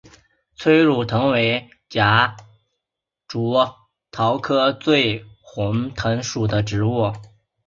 催乳藤为夹竹桃科醉魂藤属的植物。